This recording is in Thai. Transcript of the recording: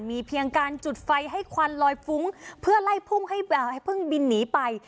มีเพียงการจุดไฟให้ควันลอยฟุ้งเพื่อไล่พุ่งให้เพิ่งบินหนีไป